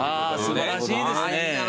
素晴らしいですね。